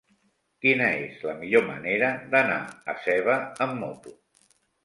Quina és la millor manera d'anar a Seva amb moto?